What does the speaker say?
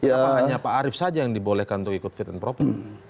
kenapa hanya pak arief saja yang dibolehkan untuk ikut fit and proper